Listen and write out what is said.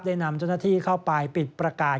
นำเจ้าหน้าที่เข้าไปปิดประกาศ